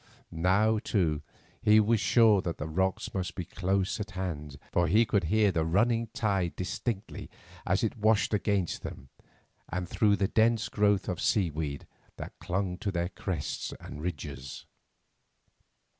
Now, too, he was sure that the rocks must be close at hand, for he could hear the running tide distinctly as it washed against them and through the dense growth of seaweed that clung to their crests and ridges.